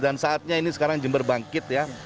dan saatnya ini sekarang jember bangkit ya